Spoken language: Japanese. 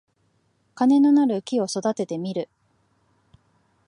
金のなる木を育ててみる